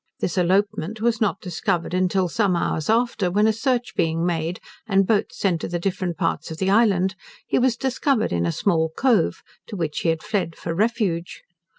This elopement was not discovered till some hours after, when a search being made, and boats sent to the different parts of the island, he was discovered in a small cove, to which he had fled for refuge.